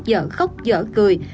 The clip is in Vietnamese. dở khóc dở cười